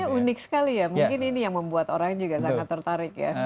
unik sekali ya mungkin ini yang membuat orang juga sangat tertarik ya